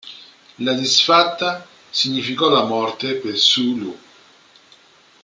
La disfatta significò la morte per Su lu.